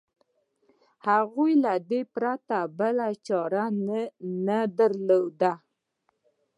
هغوی له دې پرته بله هېڅ چاره نه درلوده.